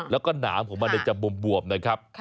แล้วก็หนามของมันจะบวมนะครับ